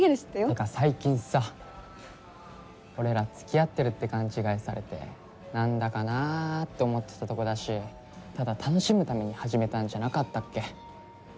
てか最近さ俺ら付き合ってるって勘違いされて何だかなって思ってたとこだしただ楽しむために始めたんじゃなかったっけ？